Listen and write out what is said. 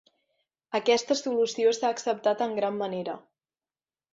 Aquesta solució s'ha acceptat en gran manera.